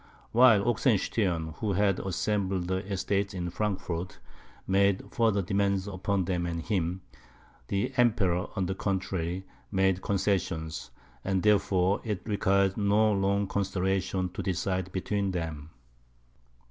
While Oxenstiern, who had assembled the estates in Frankfort, made further demands upon them and him, the Emperor, on the contrary, made concessions; and therefore it required no long consideration to decide between them.